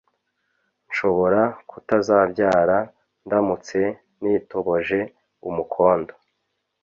nshobora kutazabyara ndamutse nitoboje umukondo!